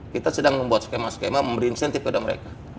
kita sedang membuat skema skema memberi insentif pada mereka